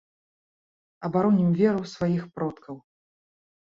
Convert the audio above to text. Абаронім веру сваіх продкаў.